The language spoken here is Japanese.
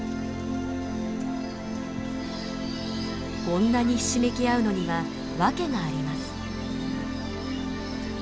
こんなにひしめき合うのには訳があります。